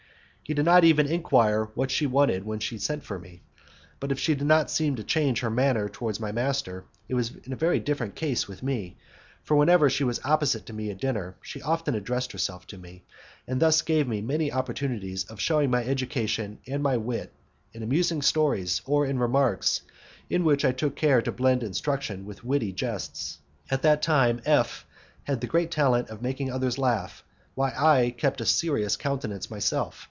He did not even enquire what she wanted when she had sent for me. But if she did not seem to change her manner towards my master, it was a very different case with me, for whenever she was opposite to me at dinner, she often addressed herself to me, and she thus gave me many opportunities of shewing my education and my wit in amusing stories or in remarks, in which I took care to blend instruction with witty jests. At that time F had the great talent of making others laugh while I kept a serious countenance myself.